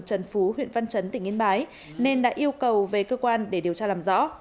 trần phú huyện văn chấn tỉnh yên bái nên đã yêu cầu về cơ quan để điều tra làm rõ